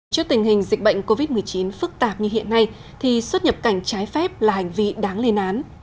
trước tình hình dịch bệnh covid một mươi chín phức tạp như hiện nay thì xuất nhập cảnh trái phép là hành vị đáng lê nán